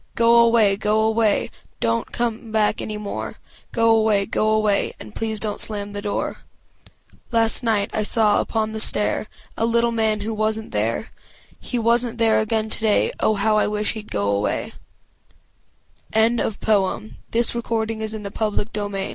Go away, go away, donât you come back any more! Go away, go away, and please donât slam the door Last night I saw upon the stair A little man who wasnât there He wasnât there again today Oh, how I wish heâd go away "Antigonish" (1899) Mearns also wrote many parod